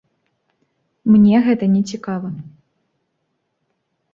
Мне гэта не цікава.